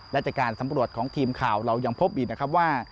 และจากการสำรวจของทีมข่าวเรายังพบอีกนะครับว่า